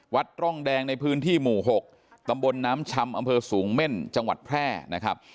วัดร่องแดงในพื้นที่หมู่๖ตำบลน้ำชำอำเภอสูงเม่นจังหวัดแพร่นะครับ